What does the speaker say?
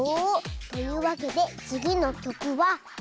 というわけでつぎのきょくは「さあ！」。